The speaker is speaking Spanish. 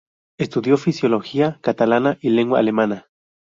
Estudió Filología Catalana y Lengua Alemana.